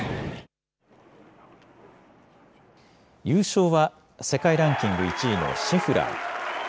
優勝は世界ランキング１位のシェフラー。